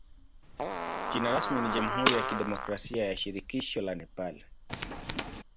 Jina rasmi ni jamhuri ya kidemokrasia ya shirikisho la Nepal.